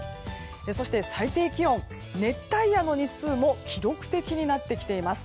そして、最低気温熱帯夜の日数も記録的になってきています。